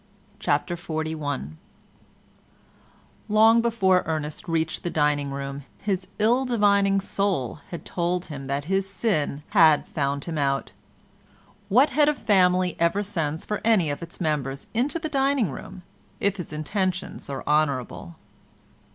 CHAPTER XLI Long before Ernest reached the dining room his ill divining soul had told him that his sin had found him out. What head of a family ever sends for any of its members into the dining room if his intentions are honourable?